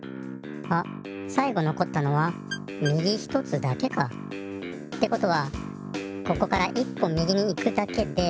あっさい後のこったのはみぎ一つだけか。ってことはここから一歩みぎに行くだけで。